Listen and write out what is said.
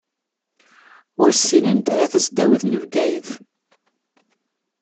Ur ssinent ara tasdawit n Bgayet.